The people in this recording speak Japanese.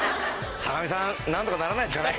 坂上さんなんとかならないですかね？